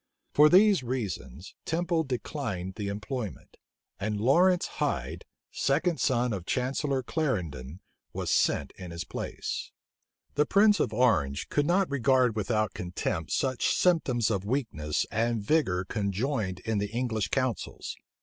For these reasons, Temple declined the employment; and Lawrence Hyde, second son of Chancellor Clarendon, was sent in his place. {1678.} The prince of Orange could not regard without contempt such symptoms of weakness and vigor conjoined in the English counsels.